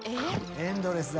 エンドレスだ。